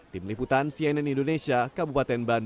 tim liputan cnn indonesia kabupaten bandung